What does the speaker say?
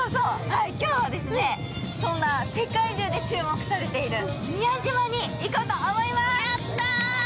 今日はそんな世界中で注目されている宮島に行こうと思います。